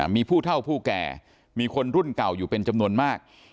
มีผู้เท่าผู้แก่มีคนรุ่นเก่าอยู่เป็นจำนวนมาก